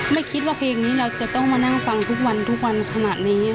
ไม่คิดว่าเพลงนี้เราจะต้องมานั่งฟังทุกวันทุกวันขนาดนี้